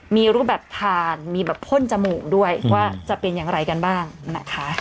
มีรูปแบบทานมีแบบพ่นจมูกด้วยว่าจะเป็นอย่างไรกันบ้างนะคะ